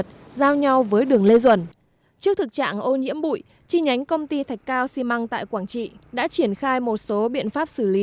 trước thực trạng ô nhiễm bụi chi nhánh công ty thạch cao xi măng tại quảng trị đã triển khai một số biện pháp xử lý